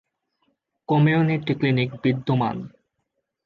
Community clinic বিদ্যমান।